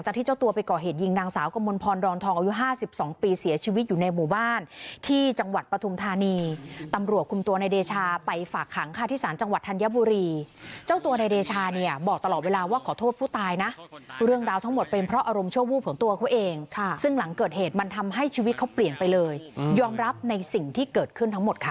ดรทองอายุ๕๒ปีเสียชีวิตอยู่ในหมู่บ้านที่จังหวัดปฐุมธาณีตำรวจคุมตัวในเดชาไปฝากหางคาทิสารจังหวัดธัญบุรีเจ้าตัวในเดชาเนี่ยบอกตลอดเวลาว่าขอโทษผู้ตายนะเรื่องราวทั้งหมดเป็นเพราะอารมณ์เชื่อวูบของตัวเขาเองซึ่งหลังเกิดเหตุมันทำให้ชีวิตเขาเปลี่ยนไปเลยยอมรับในสิ่งที่เ